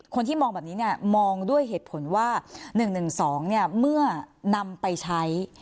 คนที่มองแบบนี้เนี่ยมองด้วยเหตุผลว่า๑๑๒เมื่อนำไปใช้